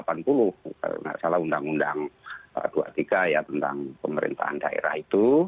kalau tidak salah undang undang dua puluh tiga ya tentang pemerintahan daerah itu